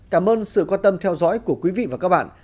cảm ơn sự quan tâm theo dõi của quý vị và các bạn